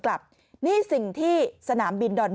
โอ้โหโอ้โห